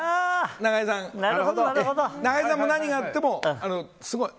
中井さんも何があってもすごい。